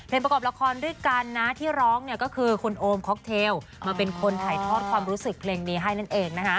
ประกอบละครด้วยกันนะที่ร้องก็คือคุณโอมค็อกเทลมาเป็นคนถ่ายทอดความรู้สึกเพลงนี้ให้นั่นเอง